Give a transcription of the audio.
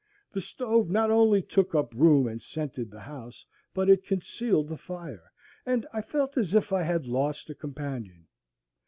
The stove not only took up room and scented the house, but it concealed the fire, and I felt as if I had lost a companion.